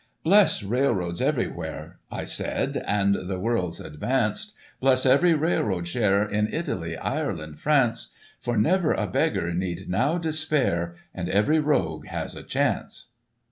"' Bless railroads everywhere,' I said, * and the world's advance ; Bless every railroad share In Italy, Ireland, France ; For never a beggar need now despair. And every rogue has a chance.'